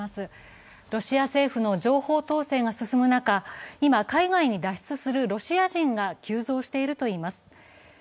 ロシア政府の情報統制が進む中、今、海外に脱出するロシア人が急増しているといいます。